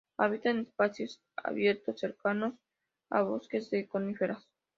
Habita en espacios abiertos, cercanos a bosques de coníferas.